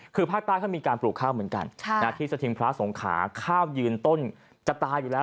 คือภาคใต้เขามีการปลูกข้าวเหมือนกันที่สถิงพระสงขาข้าวยืนต้นจะตายอยู่แล้ว